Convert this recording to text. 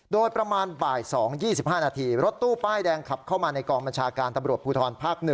โดยประมาณบ่าย๒๒๕นาทีรถตู้ป้ายแดงขับเข้ามาในกองบัญชาการตำรวจภูทรภาค๑